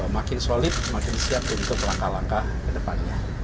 makin solid makin siap untuk langkah langkah ke depannya